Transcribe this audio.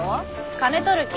金取る気？